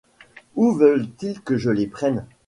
Où veulent-ils que je les prenne?